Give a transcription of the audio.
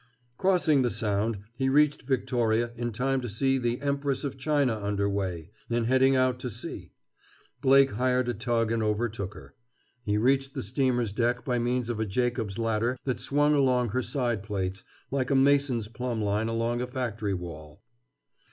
Crossing the Sound, he reached Victoria in time to see the Empress of China under way, and heading out to sea. Blake hired a tug and overtook her. He reached the steamer's deck by means of a Jacob's ladder that swung along her side plates like a mason's plumbline along a factory wall.